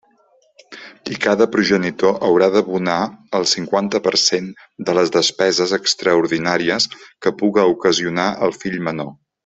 I cada progenitor haurà d'abonar el cinquanta per cent de les despeses extraordinàries que puga ocasionar el fill menor.